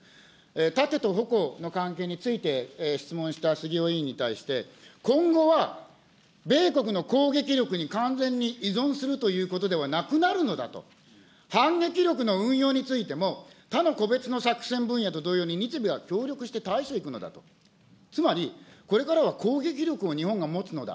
盾と矛の関係について質問したすぎお委員に対して、今後は米国の攻撃力に完全に依存するということではなくなるのだと、反撃力の運用についても、他の個別の作戦分野と同様に、日米は協力して対処していくのだと、つまりこれからは攻撃力を日本が持つのだ。